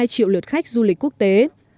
năm hai triệu lượt khách du lịch quốc tế